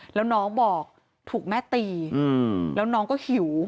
แล้วน้องบอกถูกแม่ตีแล้วน้องก็หิว